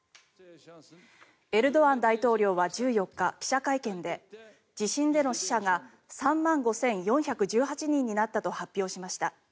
エルドアン大統領は１４日記者会見で地震での死者が３万５４１８人になったと発表しました。